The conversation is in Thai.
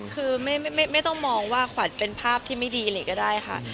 คือไม่ต้องมองว่าขวัญเป็นภาพที่ไม่ดีเลยก็ได้ค่ะ